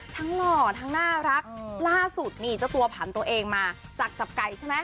หล่อทั้งน่ารักล่าสุดนี่เจ้าตัวผันตัวเองมาจากจับไก่ใช่ไหม